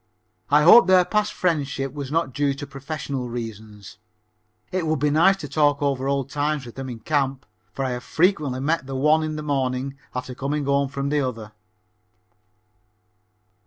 I hope their past friendship was not due to professional reasons. It would be nice to talk over old times with them in camp, for I have frequently met the one in the morning after coming home from the other.